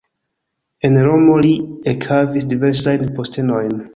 En Romo li ekhavis diversajn postenojn.